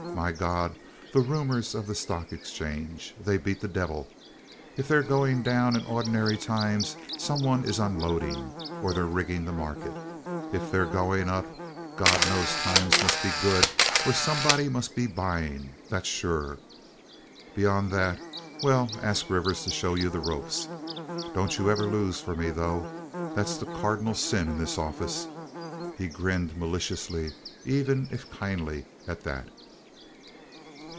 My God, the rumors of the stock exchange! They beat the devil. If they're going down in ordinary times some one is unloading, or they're rigging the market. If they're going up—God knows times must be good or somebody must be buying—that's sure. Beyond that—well, ask Rivers to show you the ropes. Don't you ever lose for me, though. That's the cardinal sin in this office." He grinned maliciously, even if kindly, at that.